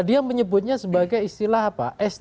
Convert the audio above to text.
dia menyebutnya sebagai istilah apa